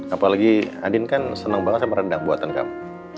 apalagi andin kan seneng banget sama rendang buatan kamu